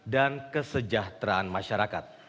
dan kesejahteraan masyarakat